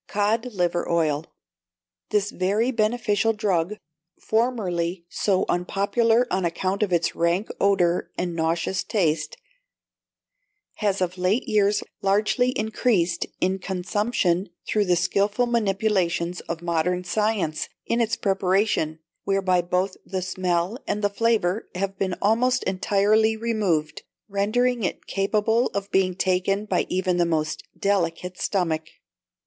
Cod Liver Oil. This very beneficial drug, formerly so unpopular on account of its rank odour and nauseous taste, has of late years largely increased in consumption through the skilful manipulations of modern science in its preparation, whereby both the smell and the flavour have been almost entirely removed, rendering it capable of being taken by even the most delicate stomach.